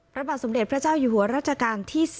พระบาทสมเด็จพระเจ้าอยู่หัวรัชกาลที่๑๐